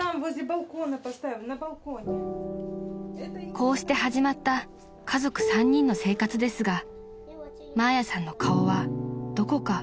［こうして始まった家族３人の生活ですがマーヤさんの顔はどこか心